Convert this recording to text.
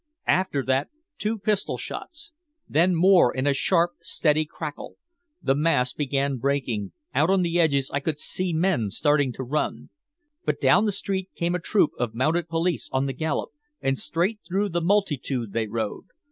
After that, two pistol shots. Then more in a sharp, steady crackle. The mass began breaking, out on the edges I could see men starting to run. But down the street came a troop of mounted police on the gallop, and straight through the multitude they rode.